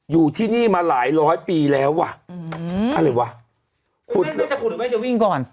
อยู่ที่นี่มาหลายร้อยปีแล้วว่ะอืมอะไรวะคุณไม่ใช่คุณหรือไม่จะวิ่งก่อน